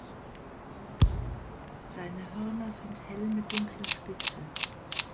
Seine Hörner sind hell mit dunkler Spitze.